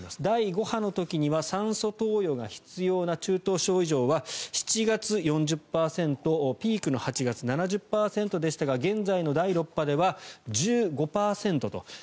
第５波の時には酸素投与が必要な中等症以上は７月、４０％ピークの８月、７０％でしたが現在の第６波では１５％と。